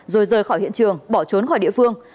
rồi rời khỏi hiện trường bỏ trốn khỏi địa phương